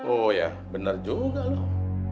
oh ya benar juga loh